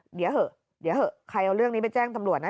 เดี๋ยวเถอะใครเอาเรื่องนี้ไปแจ้งสำรวจนะ